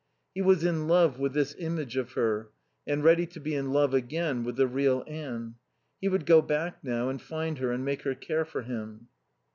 He was in love with this image of her and ready to be in love again with the real Anne. He would go back now and find her and make her care for him.